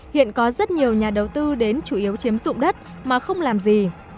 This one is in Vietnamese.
hiện có rất nhiều nhà đầu tư đến chủ yếu chiếm dụng đất mà không làm gì